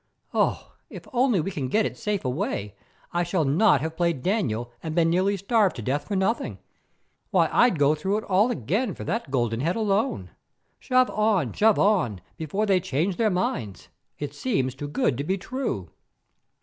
Oh, if only we can get it safe away, I shall not have played Daniel and been nearly starved to death for nothing. Why, I'd go through it all again for that golden head alone. Shove on, shove on, before they change their minds; it seems too good to be true."